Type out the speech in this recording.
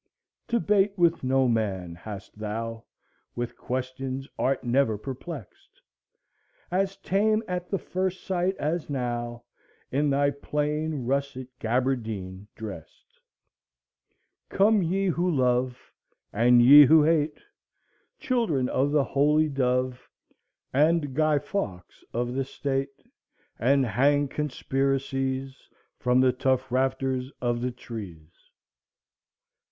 "Debate with no man hast thou, With questions art never perplexed, As tame at the first sight as now, In thy plain russet gabardine dressed." "Come ye who love, And ye who hate, Children of the Holy Dove, And Guy Faux of the state, And hang conspiracies From the tough rafters of the trees!"